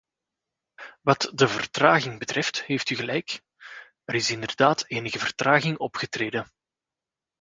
Wat de vertraging betreft, heeft u gelijk: er is inderdaad enige vertraging opgetreden.